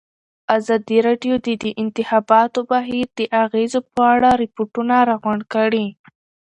ازادي راډیو د د انتخاباتو بهیر د اغېزو په اړه ریپوټونه راغونډ کړي.